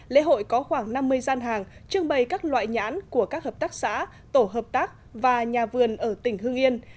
lễ hội có khoảng năm mươi gian hàng trưng bày các loại nhãn của các hợp tác xã tổ hợp tác và nhà vườn ở tỉnh hưng yên